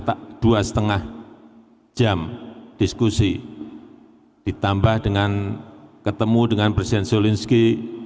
saya berdiskusi ditambah dengan ketemu dengan presiden zelensky